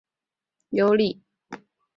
辽朝只能全力固守幽蓟。